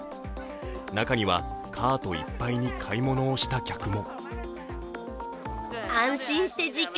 中にはカートいっぱいに買い物をした客も。